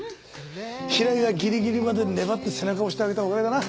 平井がギリギリまで粘って背中を押してあげたおかげだな。